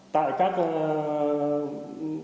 tại các cơ quan doanh nghiệp